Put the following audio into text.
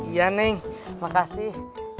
iya neng makasih